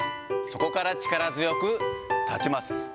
そこから力強く立ちます。